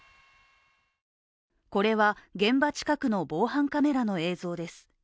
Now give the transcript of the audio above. これは現場近くの防犯カメラの映像です。